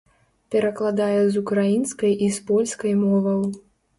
Перакладае з украінскай і з польскай моваў.